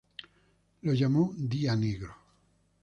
Lo llamó "Día Negro".